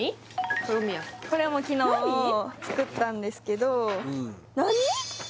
これも昨日作ったんですけど何！？